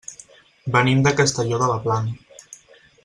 Venim de Castelló de la Plana.